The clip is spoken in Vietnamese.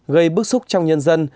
gây bức xúc trong nhân dân